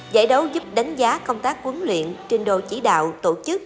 giải đấu giúp đánh giá công tác quấn luyện trên đồ chỉ đạo tổ chức